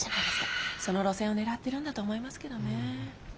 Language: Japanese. その路線を狙ってるんだと思いますけどね。